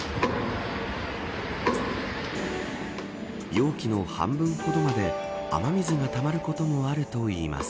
容器の半分ほどまで雨水がたまることもあるといいます。